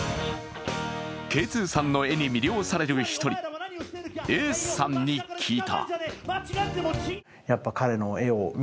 Ｋ２さんの絵に魅了される１人、ＡＣＥさんに聞いた。